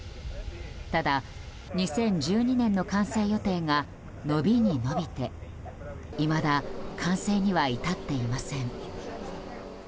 ただ、２０１２年の完成予定が延びに延びていまだ完成には至っていません。